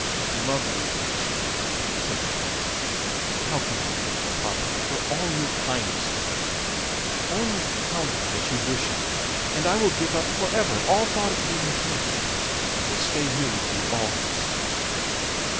"Lovely Blanchette," said the Prince, "how can I thank you properly for all your kindness to me? Only tell me that you wish it, and I will give up for ever all thought of being king, and will stay here with you always."